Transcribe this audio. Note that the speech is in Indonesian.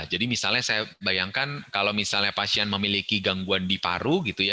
jadi misalnya saya bayangkan kalau misalnya pasien memiliki gangguan di paru gitu ya